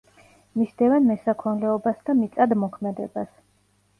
მისდევენ მესაქონლეობას და მიწადმოქმედებას.